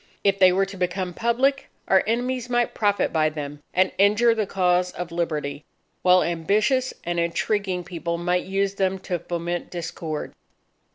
If they were to become public, our enemies might profit by them and injure the cause of Liberty; while ambitious and intriguing people might use them to foment discord.